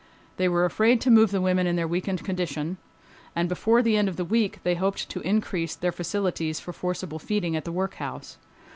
They were afraid to move the women in their weakened condition and before the end of the week they hoped to increase their facilities for forcible feeding at the workhouse.